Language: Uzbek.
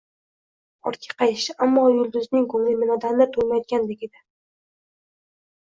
Ortga qaytishdi, ammo Yulduzning ko`ngli nimadandir to`lmayotgandek edi